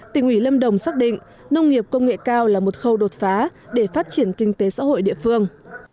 tỉnh ủy lâm đồng xác định nông nghiệp công nghệ cao là một khâu đột phá để phát triển kinh tế xã hội địa phương